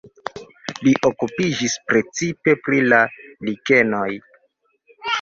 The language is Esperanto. Li okupiĝis precipe pri la likenoj.